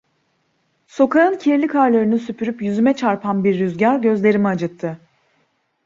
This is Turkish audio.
Sokağın kirli karlarını süpürüp yüzüme çarpan bir rüzgar gözlerimi acıttı.